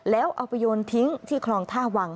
แล้วเอาไปโยนทิ้งที่คลองท่าวัง